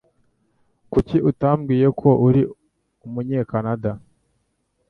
Kuki utambwiye ko uri Umunyakanada?